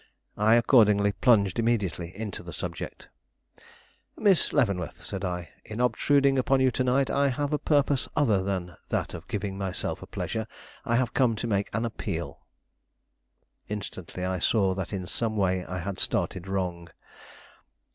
I accordingly plunged immediately into the subject. "Miss Leavenworth," said I, "in obtruding upon you to night, I have a purpose other than that of giving myself a pleasure. I have come to make an appeal." Instantly I saw that in some way I had started wrong.